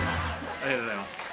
ありがとうございます。